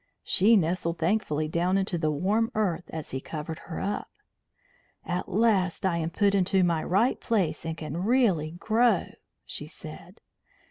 She nestled thankfully down into the warm earth as he covered her up. "At last I am put into my right place and can really grow," she said.